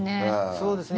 そうですね。